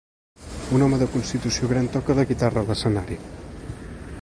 Un home de constitució gran toca la guitarra a l'escenari.